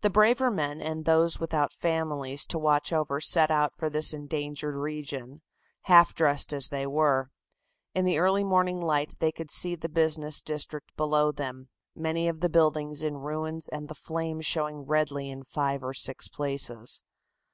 The braver men and those without families to watch over set out for this endangered region, half dressed as they were. In the early morning light they could see the business district below them, many of the buildings in ruins and the flames showing redly in five or six places.